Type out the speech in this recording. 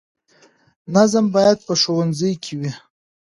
نظم باید په ښوونځي کې وي.